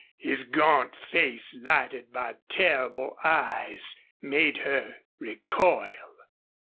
His gaunt face, lighted by terrible eyes, made her recoil.